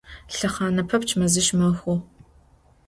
Lhexhane pepçç meziş mexhu.